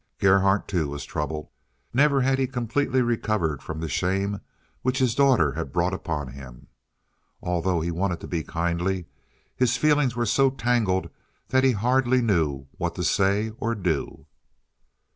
Gerhardt, too, was troubled. Never had he completely recovered from the shame which his daughter had brought upon him. Although he wanted to be kindly, his feelings were so tangled that he hardly knew what to say or do.